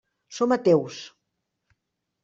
Som ateus.